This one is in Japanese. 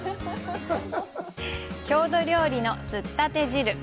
郷土料理の、すったて汁。